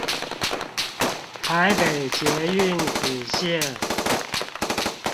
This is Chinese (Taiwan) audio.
臺北捷運紫線